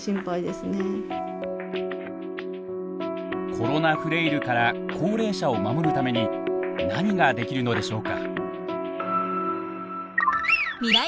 コロナフレイルから高齢者を守るために何ができるのでしょうか。